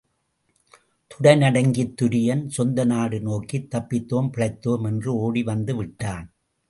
துடை நடுங்கித் துரியன் சொந்தநாடு நோக்கித் தப்பித்தோம், பிழைத்தோம் என்று ஓடி வந்து விட்டான்.